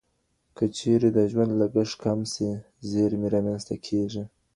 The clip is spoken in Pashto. که چیرې د ژوند لګښت کم سي زیرمې رامنځته کیږي.